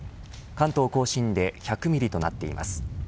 関東甲信で１００ミリとなっています。